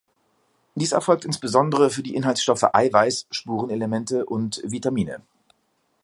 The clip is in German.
Dies erfolgt insbesondere für die Inhaltsstoffe Eiweiß, Spurenelemente und Vitamine.